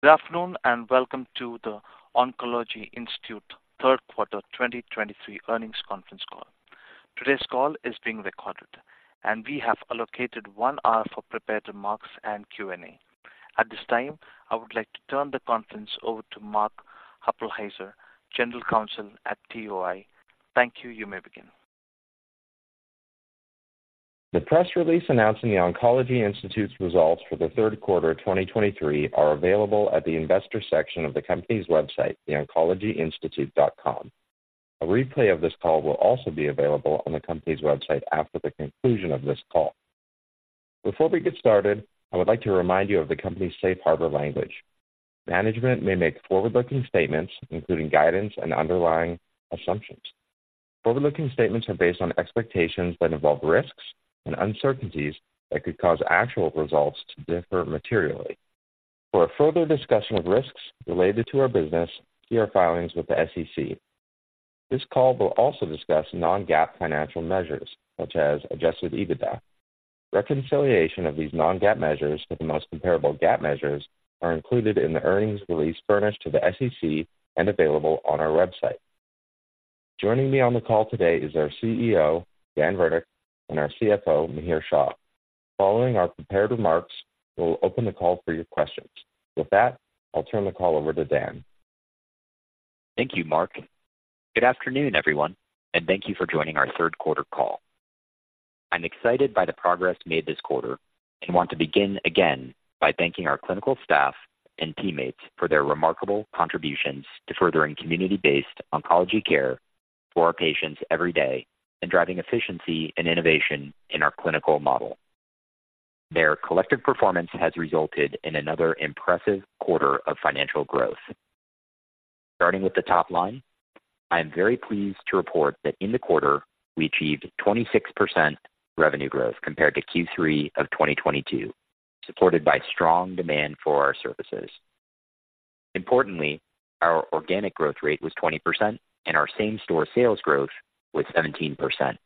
Good afternoon, and welcome to The Oncology Institute third quarter 2023 earnings conference call. Today's call is being recorded, and we have allocated one hour for prepared remarks and Q&A. At this time, I would like to turn the conference over to Mark Hueppelsheuser, General Counsel at TOI. Thank you. You may begin. The press release announcing The Oncology Institute's results for the third quarter 2023 are available at the investor section of the company's website, theoncologyinstitute.com. A replay of this call will also be available on the company's website after the conclusion of this call. Before we get started, I would like to remind you of the company's safe harbor language. Management may make forward-looking statements, including guidance and underlying assumptions. Forward-looking statements are based on expectations that involve risks and uncertainties that could cause actual results to differ materially. For a further discussion of risks related to our business, see our filings with the SEC. This call will also discuss non-GAAP financial measures, such as Adjusted EBITDA. Reconciliation of these non-GAAP measures to the most comparable GAAP measures are included in the earnings release furnished to the SEC and available on our website. Joining me on the call today is our CEO, Dan Virnich, and our CFO, Mihir Shah. Following our prepared remarks, we'll open the call for your questions. With that, I'll turn the call over to Dan. Thank you, Mark. Good afternoon, everyone, and thank you for joining our third quarter call. I'm excited by the progress made this quarter and want to begin again by thanking our clinical staff and teammates for their remarkable contributions to furthering community-based oncology care for our patients every day and driving efficiency and innovation in our clinical model. Their collective performance has resulted in another impressive quarter of financial growth. Starting with the top line, I am very pleased to report that in the quarter we achieved 26% revenue growth compared to Q3 of 2022, supported by strong demand for our services. Importantly, our organic growth rate was 20% and our same-store sales growth was 17%.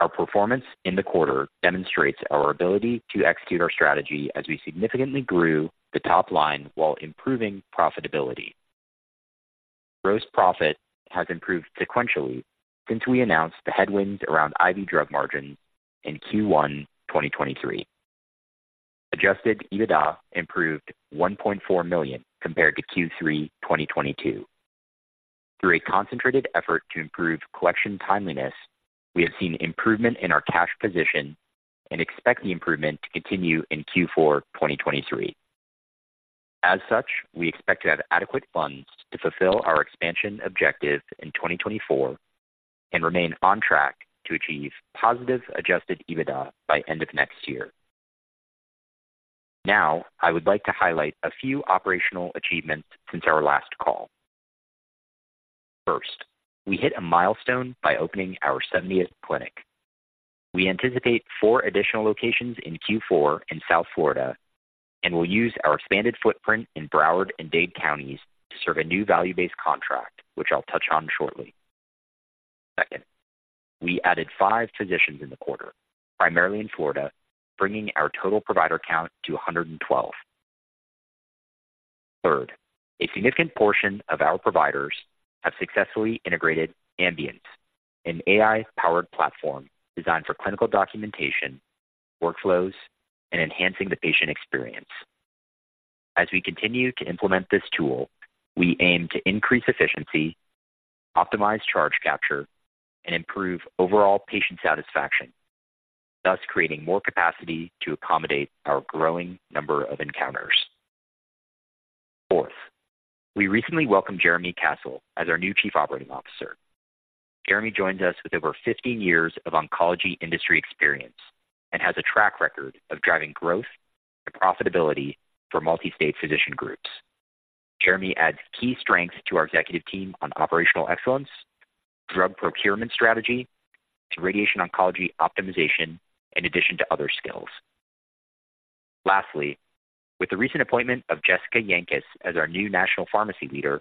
Our performance in the quarter demonstrates our ability to execute our strategy as we significantly grew the top line while improving profitability. Gross profit has improved sequentially since we announced the headwinds around IV drug margins in Q1 2023. Adjusted EBITDA improved $1.4 million compared to Q3 2022. Through a concentrated effort to improve collection timeliness, we have seen improvement in our cash position and expect the improvement to continue in Q4 2023. As such, we expect to have adequate funds to fulfill our expansion objective in 2024 and remain on track to achieve positive adjusted EBITDA by end of next year. Now, I would like to highlight a few operational achievements since our last call. First, we hit a milestone by opening our 70th clinic. We anticipate 4 additional locations in Q4 in South Florida, and we'll use our expanded footprint in Broward and Dade counties to serve a new value-based contract, which I'll touch on shortly. Second, we added five physicians in the quarter, primarily in Florida, bringing our total provider count to 112. Third, a significant portion of our providers have successfully integrated Ambience, an AI-powered platform designed for clinical documentation, workflows, and enhancing the patient experience. As we continue to implement this tool, we aim to increase efficiency, optimize charge capture, and improve overall patient satisfaction, thus creating more capacity to accommodate our growing number of encounters. Fourth, we recently welcomed Jeremy Castle as our new Chief Operating Officer. Jeremy joins us with over 15 years of oncology industry experience and has a track record of driving growth and profitability for multi-state physician groups. Jeremy adds key strengths to our executive team on operational excellence, drug procurement strategy, and radiation oncology optimization, in addition to other skills. Lastly, with the recent appointment of Jessica Yankus as our new National Pharmacy Leader,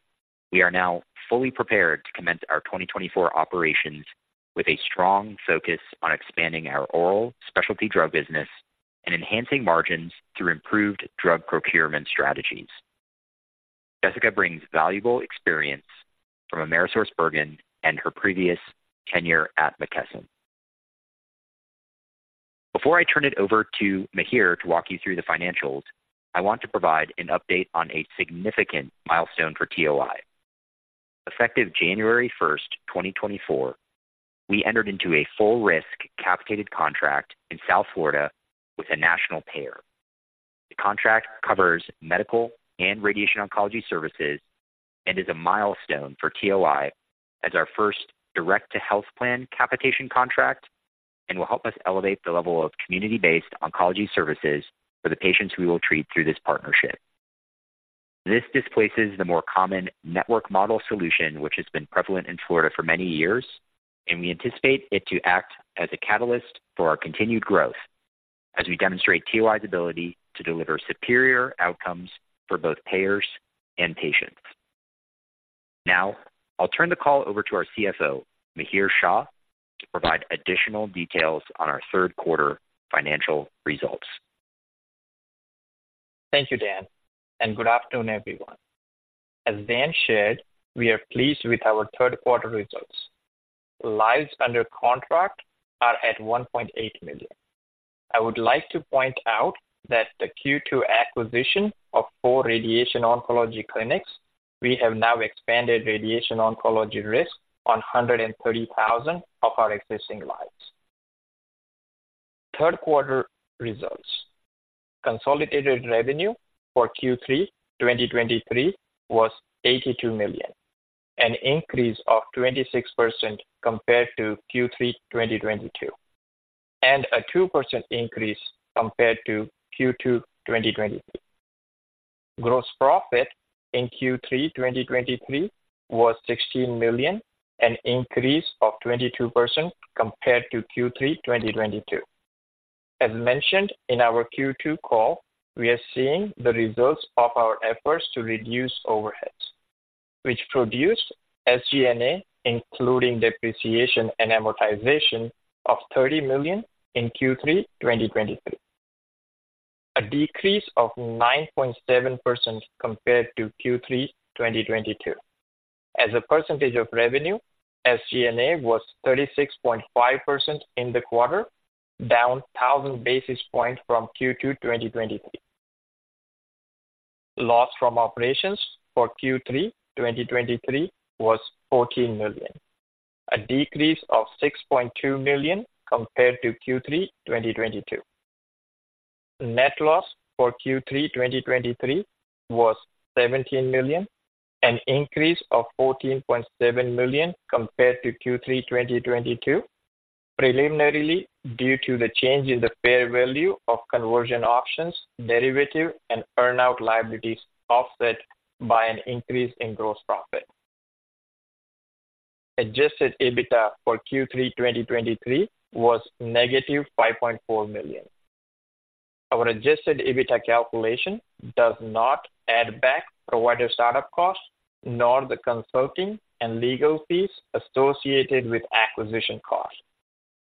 we are now fully prepared to commence our 2024 operations with a strong focus on expanding our oral specialty drug business and enhancing margins through improved drug procurement strategies. Jessica brings valuable experience from AmerisourceBergen and her previous tenure at McKesson. Before I turn it over to Mihir to walk you through the financials, I want to provide an update on a significant milestone for TOI. Effective January 1, 2024, we entered into a full-risk capitated contract in South Florida with a national payer. The contract covers medical and radiation oncology services and is a milestone for TOI as our first direct-to-health plan capitation contract and will help us elevate the level of community-based oncology services for the patients we will treat through this partnership. This displaces the more common network model solution, which has been prevalent in Florida for many years, and we anticipate it to act as a catalyst for our continued growth as we demonstrate TOI's ability to deliver superior outcomes for both payers and patients. Now, I'll turn the call over to our CFO, Mihir Shah, to provide additional details on our third quarter financial results. Thank you, Dan, and good afternoon, everyone. As Dan shared, we are pleased with our third quarter results. Lives under contract are at 1.8 million. I would like to point out that the Q2 acquisition of 4 radiation oncology clinics, we have now expanded radiation oncology risk on 130,000 of our existing lives. Third quarter results: Consolidated revenue for Q3 2023 was $82 million, an increase of 26% compared to Q3 2022, and a 2% increase compared to Q2 2023. Gross profit in Q3 2023 was $16 million, an increase of 22% compared to Q3 2022. As mentioned in our Q2 call, we are seeing the results of our efforts to reduce overheads, which produced SG&A, including depreciation and amortization, of $30 million in Q3 2023, a decrease of 9.7% compared to Q3 2022. As a percentage of revenue, SG&A was 36.5% in the quarter, down 1,000 basis points from Q2 2023. Loss from operations for Q3 2023 was $14 million, a decrease of $6.2 million compared to Q3 2022. Net loss for Q3 2023 was $17 million, an increase of $14.7 million compared to Q3 2022, pr due to the change in the fair value of conversion options, derivative and earn-out liabilities, offset by an increase in gross profit. Adjusted EBITDA for Q3 2023 was -$5.4 million. Our adjusted EBITDA calculation does not add back provider startup costs, nor the consulting and legal fees associated with acquisition costs.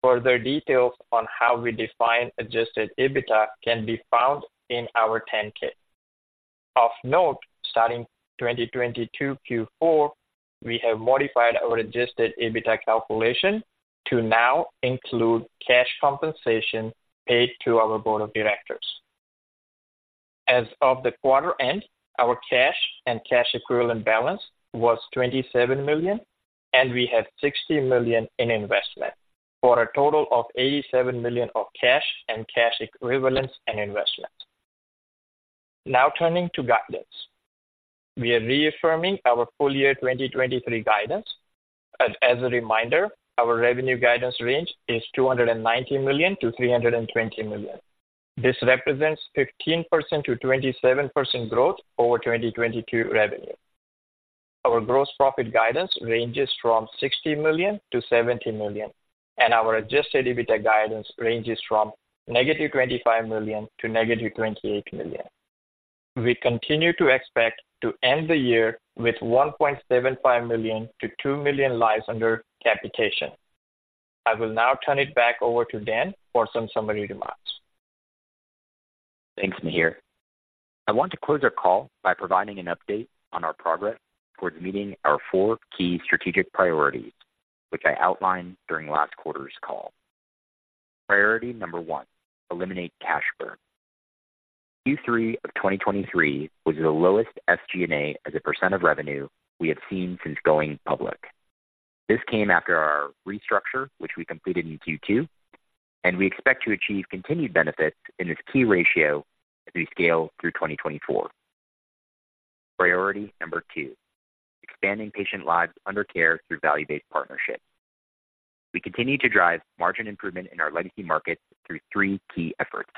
Further details on how we define adjusted EBITDA can be found in our 10-K. Of note, starting 2022 Q4, we have modified our adjusted EBITDA calculation to now include cash compensation paid to our board of directors. As of the quarter end, our cash and cash equivalent balance was $27 million, and we have $60 million in investment, for a total of $87 million of cash and cash equivalents and investments. Now turning to guidance. We are reaffirming our full year 2023 guidance, and as a reminder, our revenue guidance range is $290 million-$320 million. This represents 15%-27% growth over 2022 revenue. Our gross profit guidance ranges from $60 million-$70 million, and our adjusted EBITDA guidance ranges from -$25 million to -$28 million. We continue to expect to end the year with 1.75 million-2 million lives under capitation. I will now turn it back over to Dan for some summary remarks. Thanks, Mihir. I want to close our call by providing an update on our progress towards meeting our 4 key strategic priorities, which I outlined during last quarter's call. Priority 1: eliminate cash burn. Q3 of 2023 was the lowest SG&A as a percentage of revenue we have seen since going public. This came after our restructure, which we completed in Q2, and we expect to achieve continued benefits in this key ratio as we scale through 2024. Priority 2: expanding patient lives under care through value-based partnership. We continue to drive margin improvement in our legacy markets through 3 key efforts.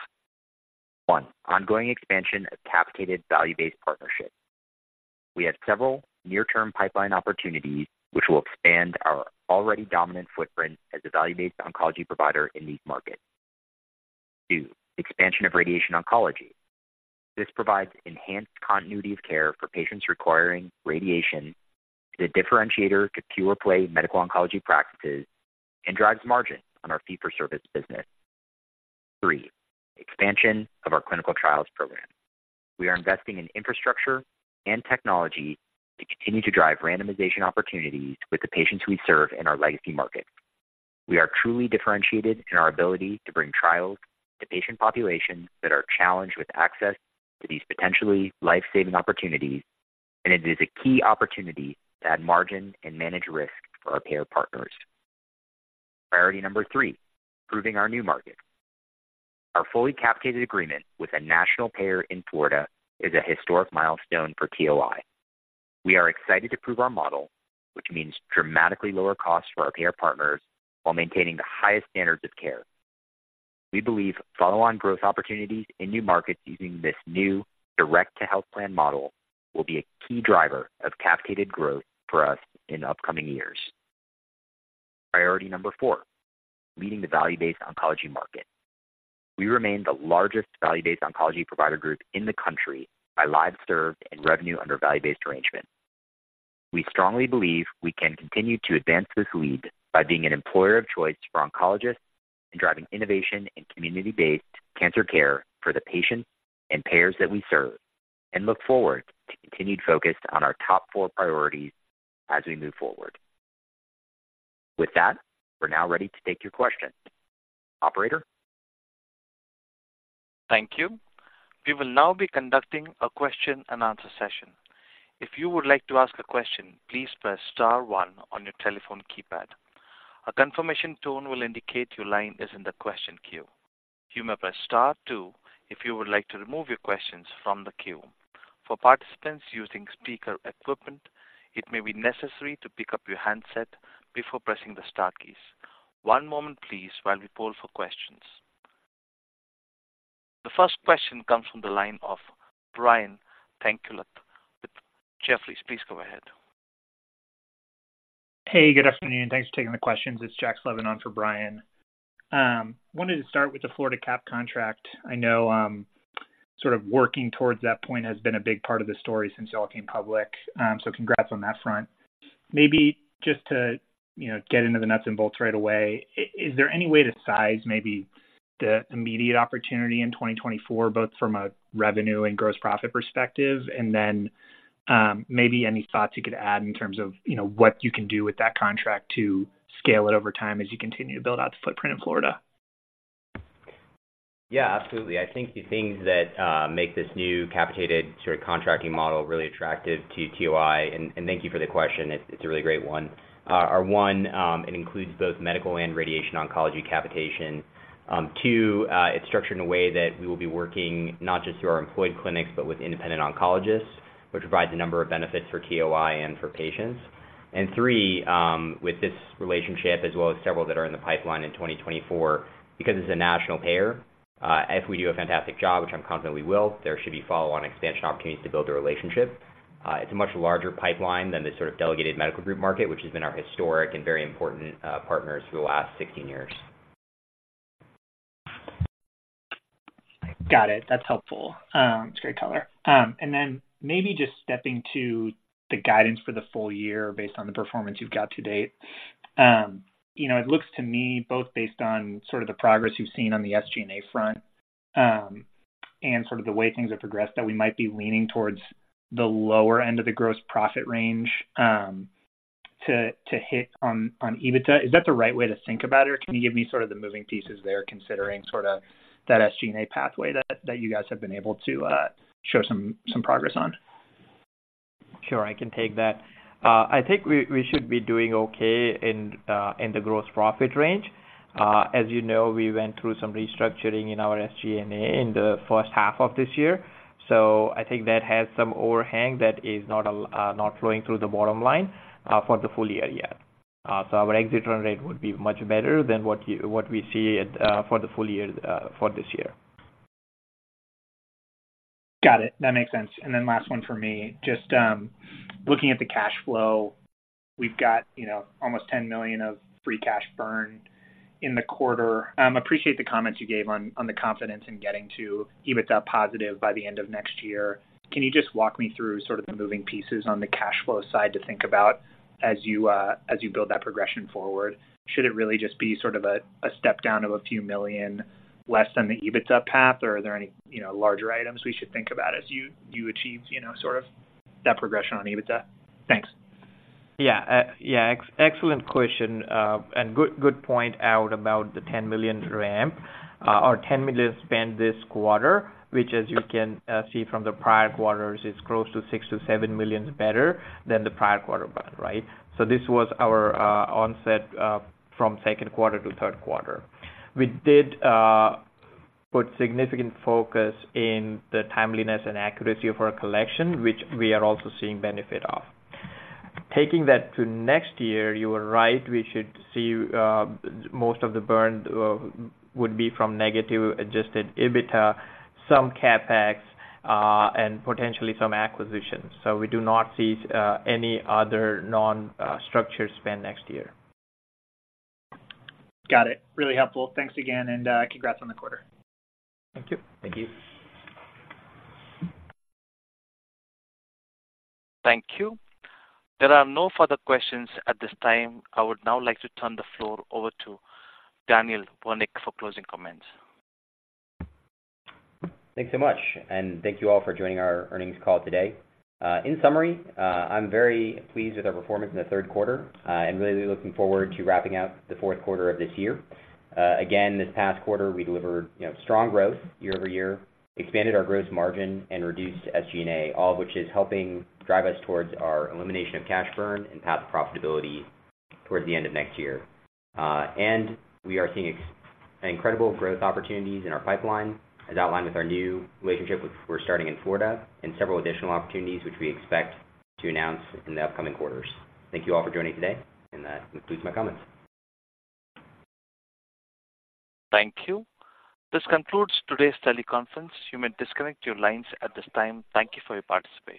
1, ongoing expansion of capitated value-based partnership. We have several near-term pipeline opportunities which will expand our already dominant footprint as a value-based oncology provider in these markets. 2, expansion of radiation oncology. This provides enhanced continuity of care for patients requiring radiation, is a differentiator to pure play medical oncology practices, and drives margin on our fee-for-service business. Three, expansion of our clinical trials program. We are investing in infrastructure and technology to continue to drive randomization opportunities with the patients we serve in our legacy market. We are truly differentiated in our ability to bring trials to patient populations that are challenged with access to these potentially life-saving opportunities, and it is a key opportunity to add margin and manage risk for our payer partners. Priority number three: proving our new market. Our fully capitated agreement with a national payer in Florida is a historic milestone for TOI. We are excited to prove our model, which means dramatically lower costs for our payer partners while maintaining the highest standards of care. We believe follow-on growth opportunities in new markets using this new direct-to-health plan model will be a key driver of capitated growth for us in upcoming years.... Priority number four, leading the value-based oncology market. We remain the largest value-based oncology provider group in the country by lives served and revenue under value-based arrangement. We strongly believe we can continue to advance this lead by being an employer of choice for oncologists and driving innovation and community-based cancer care for the patients and payers that we serve, and look forward to continued focus on our top four priorities as we move forward. With that, we're now ready to take your question. Operator? Thank you. We will now be conducting a question-and-answer session. If you would like to ask a question, please press star one on your telephone keypad. A confirmation tone will indicate your line is in the question queue. You may press star two if you would like to remove your questions from the queue. For participants using speaker equipment, it may be necessary to pick up your handset before pressing the star keys. One moment please while we poll for questions. The first question comes from the line of Brian Tanquilut with Jefferies. Please go ahead. Hey, good afternoon, and thanks for taking the questions. It's Jack Slevin on for Brian. Wanted to start with the Florida cap contract. I know, sort of working towards that point has been a big part of the story since you all came public, so congrats on that front. Maybe just to, you know, get into the nuts and bolts right away, is there any way to size maybe the immediate opportunity in 2024, both from a revenue and gross profit perspective? And then, maybe any thoughts you could add in terms of, you know, what you can do with that contract to scale it over time as you continue to build out the footprint in Florida? Yeah, absolutely. I think the things that make this new capitated sort of contracting model really attractive to TOI, and thank you for the question, it's a really great one. Are one, it includes both Medical and Radiation Oncology capitation. Two, it's structured in a way that we will be working not just through our employed clinics, but with independent oncologists, which provides a number of benefits for TOI and for patients. And three, with this relationship, as well as several that are in the pipeline in 2024, because it's a national payer, if we do a fantastic job, which I'm confident we will, there should be follow-on expansion opportunities to build a relationship. It's a much larger pipeline than the sort of delegated medical group market, which has been our historic and very important, partners for the last 16 years. Got it. That's helpful. It's great color. And then maybe just stepping to the guidance for the full year based on the performance you've got to date. You know, it looks to me, both based on sort of the progress you've seen on the SG&A front, and sort of the way things have progressed, that we might be leaning towards the lower end of the gross profit range, to, to hit on, on EBITDA. Is that the right way to think about it, or can you give me sort of the moving pieces there, considering sort of that SG&A pathway that, that you guys have been able to, show some, some progress on? Sure, I can take that. I think we should be doing okay in the gross profit range. As you know, we went through some restructuring in our SG&A in the first half of this year, so I think that has some overhang that is not flowing through the bottom line for the full year yet. So our exit run rate would be much better than what you—what we see at for the full year for this year. Got it. That makes sense. And then last one for me, just looking at the cash flow, we've got, you know, almost $10 million of free cash burn in the quarter. Appreciate the comments you gave on the confidence in getting to EBITDA positive by the end of next year. Can you just walk me through sort of the moving pieces on the cash flow side to think about as you build that progression forward? Should it really just be sort of a step down of a few million less than the EBITDA path, or are there any, you know, larger items we should think about as you achieve, you know, sort of that progression on EBITDA? Thanks. Yeah. Yeah, excellent question, and good point about the $10 million ramp, or $10 million spend this quarter, which as you can see from the prior quarters, is close to $6 million-$7 million better than the prior quarter, but right? So this was our onset from second quarter to third quarter. We did put significant focus in the timeliness and accuracy of our collection, which we are also seeing benefit of. Taking that to next year, you are right, we should see most of the burn would be from negative Adjusted EBITDA, some CapEx, and potentially some acquisitions. So we do not see any other non-structured spend next year. Got it. Really helpful. Thanks again, and, congrats on the quarter. Thank you. Thank you. Thank you. There are no further questions at this time. I would now like to turn the floor over to Daniel Virnich for closing comments. Thanks so much, and thank you all for joining our earnings call today. In summary, I'm very pleased with our performance in the third quarter, and really looking forward to wrapping up the fourth quarter of this year. Again, this past quarter, we delivered, you know, strong growth year-over-year, expanded our gross margin and reduced SG&A, all of which is helping drive us towards our elimination of cash burn and path profitability towards the end of next year. We are seeing incredible growth opportunities in our pipeline, as outlined with our new relationship with we're starting in Florida and several additional opportunities, which we expect to announce in the upcoming quarters. Thank you all for joining today, and that concludes my comments. Thank you. This concludes today's teleconference. You may disconnect your lines at this time. Thank you for your participation.